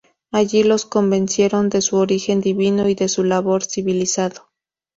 Allí, los convencieron de su origen divino y de su labor civilizado.